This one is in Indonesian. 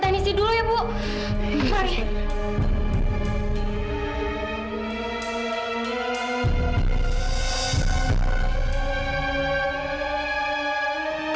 tangan mila bisa bergerak